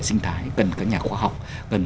sinh thái cần các nhà khoa học cần